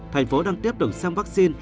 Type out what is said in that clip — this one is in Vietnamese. thành phố đang tiếp tục xem vaccine